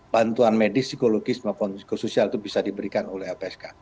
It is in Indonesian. bantuan medis psikologis maupun psikosoial itu bisa diberikan oleh lpsk